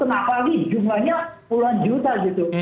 kenapa lagi jumlahnya puluhan juta gitu